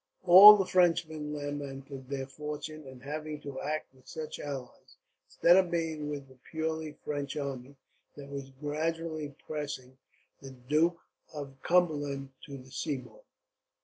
All the Frenchmen lamented their fortune in having to act with such allies, instead of being with the purely French army that was gradually pressing the Duke of Cumberland to the seaboard.